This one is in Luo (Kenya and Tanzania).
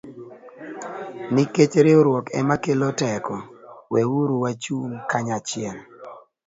Nikech riwruok ema kelo teko, weuru wachung ' kanyachiel